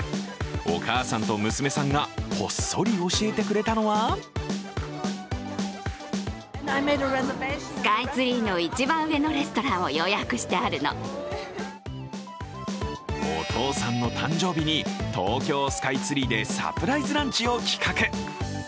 お母さんと娘さんがこっそり教えてくれたのはお父さんの誕生日に東京スカイツリーでサプライズランチを企画。